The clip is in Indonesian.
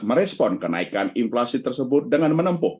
merespon kenaikan inflasi tersebut dengan menempuh